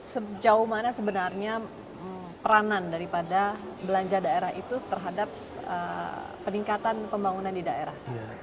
sejauh mana sebenarnya peranan daripada belanja daerah itu terhadap peningkatan pembangunan di daerah